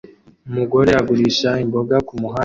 Umugore agurisha imboga kumuhanda